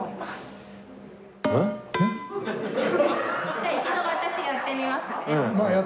じゃあ一度私がやってみますね。